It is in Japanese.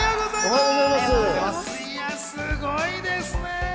すごいですね。